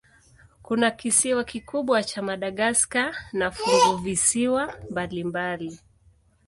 Kuna kisiwa kikubwa cha Madagaska na funguvisiwa mbalimbali.